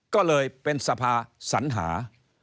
ก็เลยเป็นสภาสัญหา